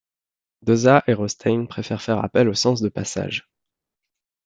Dauzat et Rostaing préfèrent faire appel au sens de passage.